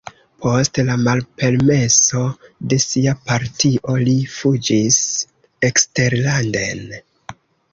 Post la malpermeso de sia partio li fuĝis eksterlanden.